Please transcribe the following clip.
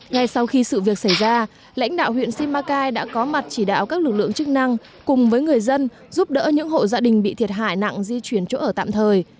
ngay sau khi sự việc xảy ra lãnh đạo huyện simacai đã có mặt chỉ đạo các lực lượng chức năng cùng với người dân giúp đỡ những hộ gia đình bị thiệt hại nặng di chuyển chỗ ở tạm thời